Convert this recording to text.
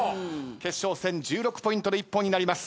決勝戦１６ポイントで一本になります。